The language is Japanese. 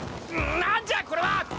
何じゃこれは！